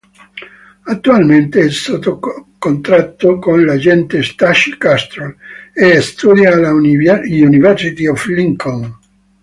Attualmente è sotto contratto con l'agente Stacey Castrol e studia alla University of Lincoln.